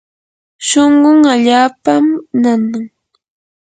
shunqun allaapam nanan.